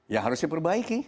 ya harus diperbaiki